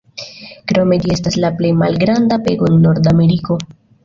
Krome ĝi estas la plej malgranda pego en Nordameriko.